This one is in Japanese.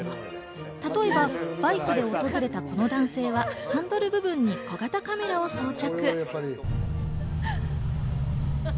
例えばバイクで訪れたこの男性はハンドル部分に小型カメラを装着。